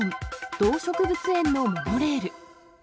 動植物園のモノレール。